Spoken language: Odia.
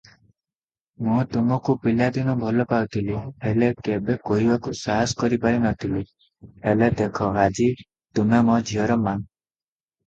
ମୁଁ ତମକୁ ପିଲାଦିନୁ ଭଲ ପାଉଥିଲି, ହେଲେ କେବେ କହିବାକୁ ସାହସ କରିପାରିନଥିଲି ହେଲେ ଦେଖ ଆଜି ତୁମେ ମୋ ଝିଅର ମା